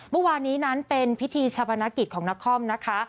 เมื่อวานนี้นั้นเป็นพิธีชาปนกิจของนครนะคะ